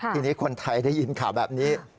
ทีนี้คนไทยได้ยินข่าวแบบนี้